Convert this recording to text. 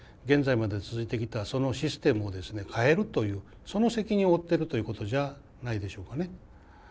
現在まで続いてきたそのシステムをですね変えるというその責任を負ってるということじゃないでしょうかね。